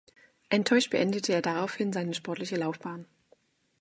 Enttäuscht beendete er daraufhin seine sportliche Laufbahn.